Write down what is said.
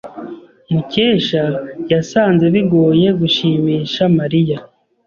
Mukesha yasanze bigoye gushimisha Mariya.